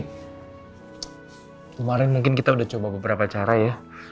kemarin mungkin kita udah coba beberapa cara ya